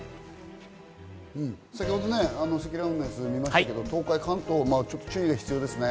先ほどね、積乱雲のやつ見ましたけど、東海、関東、注意が必要ですね。